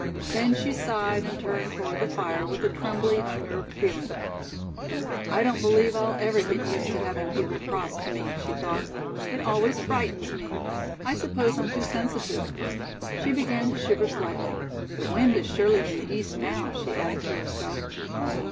Then she sighed and turned toward the fire with a trembly, unnerved feeling. "I don't believe I'll ever get used to having people cross to me," she thought. "It always frightens me. I suppose I'm too sensitive." She began to shiver slightly. "The wind is surely in the East now," she added to herself.